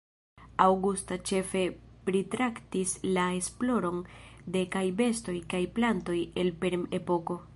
Augusta ĉefe pritraktis la esploron de kaj bestoj kaj plantoj el perm-epoko.